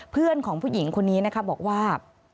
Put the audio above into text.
เพื่อนของผู้หญิงคนนี้นะคะบอกว่า